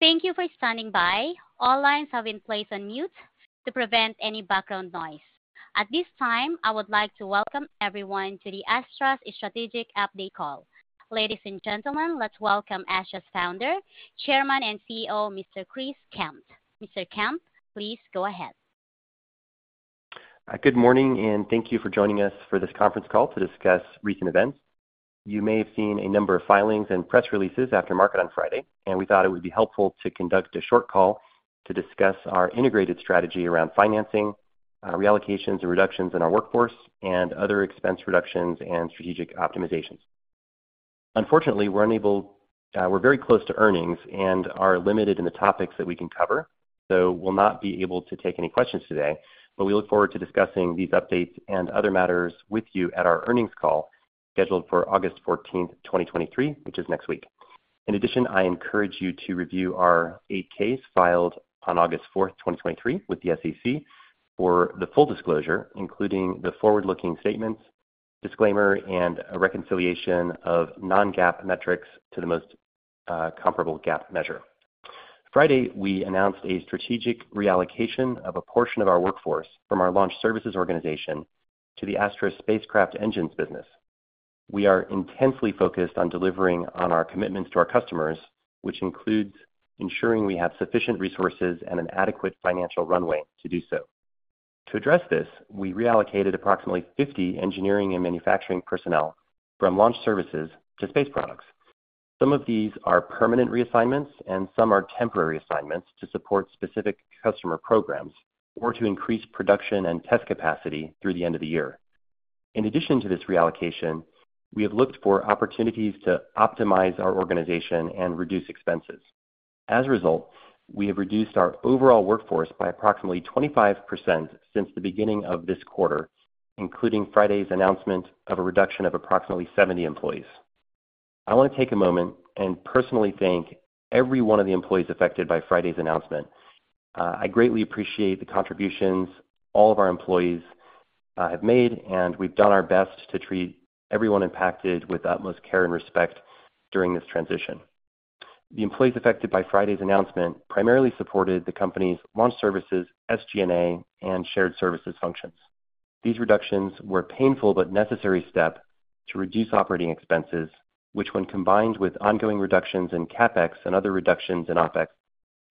Thank you for standing by. All lines have been placed on mute to prevent any background noise. At this time, I would like to welcome everyone to the Astra Strategic Update Call. Ladies and gentlemen, let's welcome Astra's Founder, Chairman, and CEO, Mr. Chris Kemp. Mr. Kemp, please go ahead. Good morning, and thank you for joining us for this conference call to discuss recent events. You may have seen a number of filings and press releases after market on Friday, and we thought it would be helpful to conduct a short call to discuss our integrated strategy around financing, reallocations, and reductions in our workforce, and other expense reductions and strategic optimizations. Unfortunately, we're very close to earnings and are limited in the topics that we can cover, so we'll not be able to take any questions today. We look forward to discussing these updates and other matters with you at our earnings call, scheduled for August 14, 2023, which is next week. I encourage you to review our Form 8-K filed on August 4th, 2023, with the SEC for the full disclosure, including the forward-looking statements, disclaimer, and a reconciliation of non-GAAP metrics to the most comparable GAAP measure. Friday, we announced a strategic reallocation of a portion of our workforce from our Launch Services organization to the Astra Spacecraft Engines business. We are intensely focused on delivering on our commitments to our customers, which includes ensuring we have sufficient resources and an adequate financial runway to do so. To address this, we reallocated approximately 50 engineering and manufacturing personnel from Launch Services to Space Products. Some of these are permanent reassignments and some are temporary assignments to support specific customer programs or to increase production and test capacity through the end of the year. In addition to this reallocation, we have looked for opportunities to optimize our organization and reduce expenses. As a result, we have reduced our overall workforce by approximately 25% since the beginning of this quarter, including Friday's announcement of a reduction of approximately 70 employees. I want to take a moment and personally thank every one of the employees affected by Friday's announcement. I greatly appreciate the contributions all of our employees have made, and we've done our best to treat everyone impacted with utmost care and respect during this transition. The employees affected by Friday's announcement primarily supported the company's Launch Services, SG&A, and Shared Services functions. These reductions were painful but necessary step to reduce operating expenses, which, when combined with ongoing reductions in CapEx and other reductions in OpEx,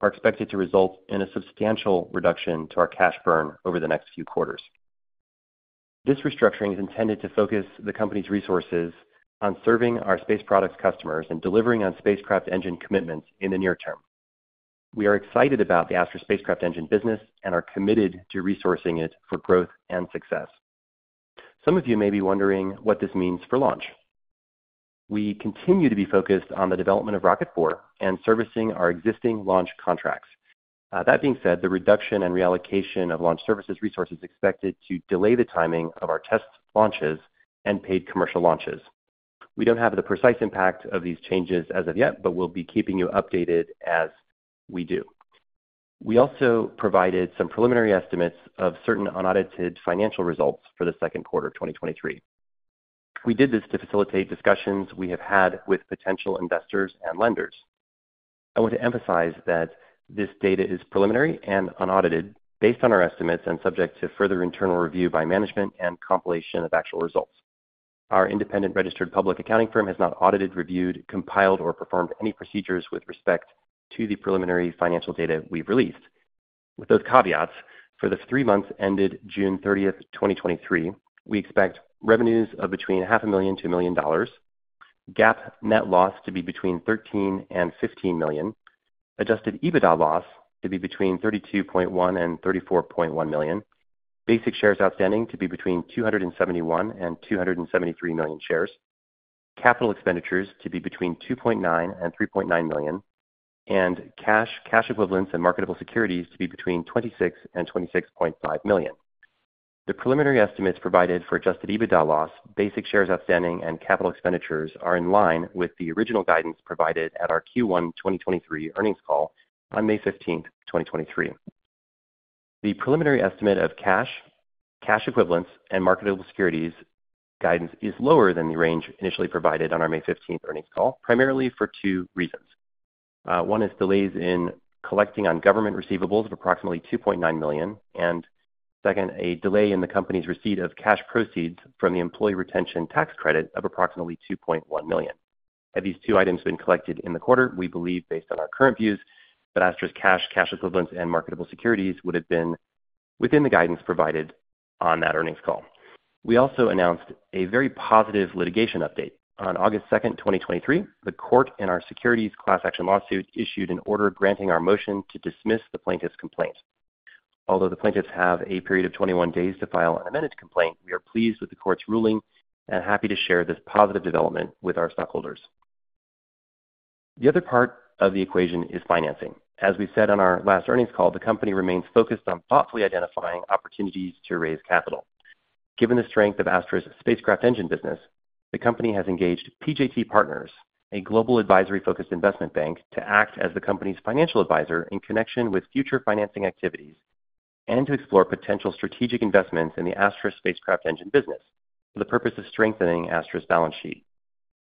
are expected to result in a substantial reduction to our cash burn over the next few quarters. This restructuring is intended to focus the company's resources on serving our Space Products customers and delivering on spacecraft engine commitments in the near term. We are excited about the Astra Spacecraft Engines business and are committed to resourcing it for growth and success. Some of you may be wondering what this means for launch. We continue to be focused on the development of Rocket 4 and servicing our existing launch contracts. That being said, the reduction and reallocation of Launch Services resources is expected to delay the timing of our test launches and paid commercial launches. We don't have the precise impact of these changes as of yet, but we'll be keeping you updated as we do. We also provided some preliminary estimates of certain unaudited financial results for the Q2 of 2023. We did this to facilitate discussions we have had with potential investors and lenders. I want to emphasize that this data is preliminary and unaudited, based on our estimates and subject to further internal review by management and compilation of actual results. Our independent registered public accounting firm has not audited, reviewed, compiled, or performed any procedures with respect to the preliminary financial data we've released. With those caveats, for the three months ended June 30, 2023, we expect revenues of between $500,000 to $1 million, GAAP net loss to be between $13 million and $15 million, adjusted EBITDA loss to be between $32.1 million and $34.1 million, basic shares outstanding to be between $271 million and $273 million shares, capital expenditures to be between $2.9 million and $3.9 million, and cash, cash equivalents, and marketable securities to be between $26 million and $26.5 million. The preliminary estimates provided for adjusted EBITDA loss, basic shares outstanding, and capital expenditures are in line with the original guidance provided at our Q1 2023 earnings call on May 15, 2023. The preliminary estimate of cash, cash equivalents, and marketable securities guidance is lower than the range initially provided on our May 15th earnings call, primarily for two reasons. One is delays in collecting on government receivables of approximately $2.9 million, Second, a delay in the company's receipt of cash proceeds from the Employee Retention Tax Credit of approximately $2.1 million. Had these two items been collected in the quarter, we believe, based on our current views, that Astra's cash, cash equivalents, and marketable securities would have been within the guidance provided on that earnings call. We also announced a very positive litigation update. On August 2, 2023, the court in our securities class action lawsuit issued an order granting our motion to dismiss the plaintiff's complaint. Although the plaintiffs have a period of 21 days to file an amended complaint, we are pleased with the court's ruling and happy to share this positive development with our stockholders. The other part of the equation is financing. As we said on our last earnings call, the company remains focused on thoughtfully identifying opportunities to raise capital. Given the strength of Astra Spacecraft Engines, the company has engaged PJT Partners, a global advisory-focused investment bank, to act as the company's financial advisor in connection with future financing activities. To explore potential strategic investments in Astra Spacecraft Engines for the purpose of strengthening Astra's balance sheet.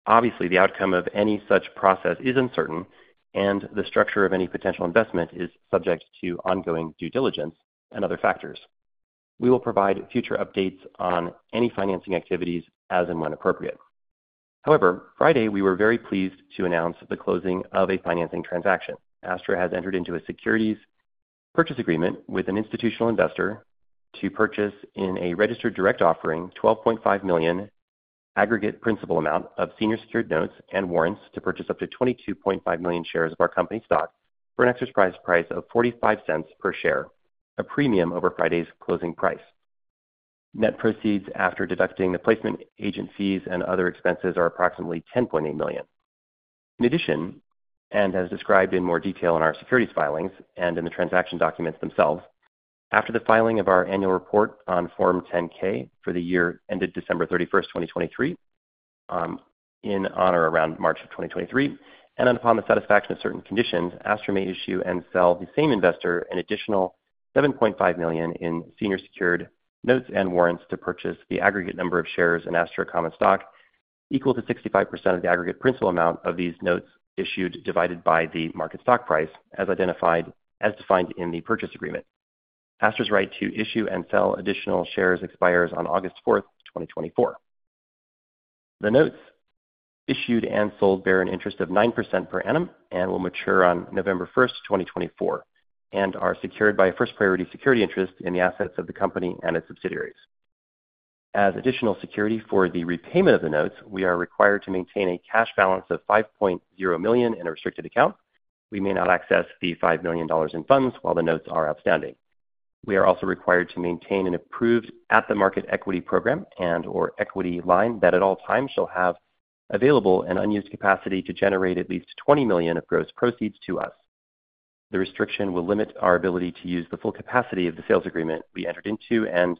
Obviously, the outcome of any such process is uncertain, and the structure of any potential investment is subject to ongoing due diligence and other factors. We will provide future updates on any financing activities as and when appropriate. Friday, we were very pleased to announce the closing of a financing transaction. Astra has entered into a securities purchase agreement with an institutional investor to purchase in a registered direct offering, $12.5 million aggregate principal amount of senior secured notes and warrants to purchase up to 22.5 million shares of our company stock for an exercise price of $0.45 per share, a premium over Friday's closing price. Net proceeds after deducting the placement agent fees and other expenses are approximately $10.8 million. In addition, and as described in more detail in our securities filings and in the transaction documents themselves, after the filing of our annual report on Form 10-K for the year ended December 31, 2023, in or around March of 2024, and then upon the satisfaction of certain conditions, Astra may issue and sell the same investor an additional $7.5 million in senior secured notes and warrants to purchase the aggregate number of shares in Astra common stock equal to 65% of the aggregate principal amount of these notes issued, divided by the market stock price, as defined in the purchase agreement. Astra's right to issue and sell additional shares expires on August 4, 2024. The notes issued and sold bear an interest of 9% per annum and will mature on November 1, 2024, and are secured by a first priority security interest in the assets of the company and its subsidiaries. As additional security for the repayment of the notes, we are required to maintain a cash balance of $5.0 million in a restricted account. We may not access the $5 million in funds while the notes are outstanding. We are also required to maintain an approved at-the-market equity program and/or equity line that at all times shall have available an unused capacity to generate at least $20 million of gross proceeds to us. The restriction will limit our ability to use the full capacity of the sales agreement we entered into and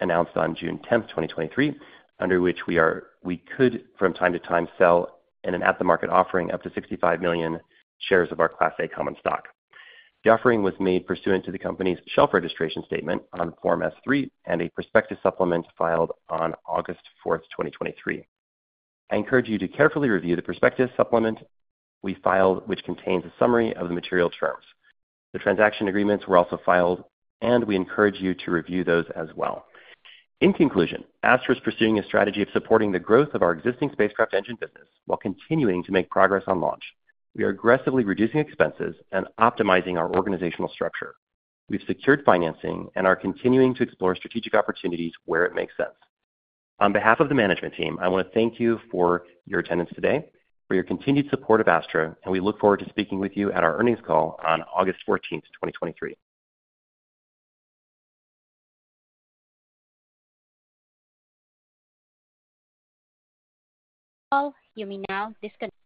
announced on June 10, 2023, under which we could, from time to time, sell in an at-the-market offering up to 65 million shares of our Class A common stock. The offering was made pursuant to the company's shelf registration statement on Form S-3 and a prospectus supplement filed on August 4, 2023. I encourage you to carefully review the prospectus supplement we filed, which contains a summary of the material terms. The transaction agreements were also filed, and we encourage you to review those as well. In conclusion, Astra is pursuing a strategy of supporting the growth of our existing spacecraft engine business while continuing to make progress on launch. We are aggressively reducing expenses and optimizing our organizational structure. We've secured financing and are continuing to explore strategic opportunities where it makes sense. On behalf of the management team, I want to thank you for your attendance today, for your continued support of Astra, and we look forward to speaking with you at our earnings call on August 14th, 2023. Well, you may now disconnect.